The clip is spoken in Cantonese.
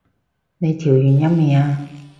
你調完音未啊？